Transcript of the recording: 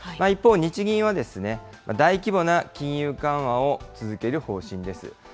一方、日銀は大規模な金融緩和を続ける方針です。